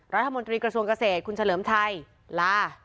รัฐมนตรีกระทรวงเกษตรคุณเฉลิมชัยลา